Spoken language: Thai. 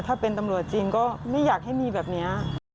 ถ้าเป็นตำรวจจริงก็ไม่อยากให้มีแบบนี้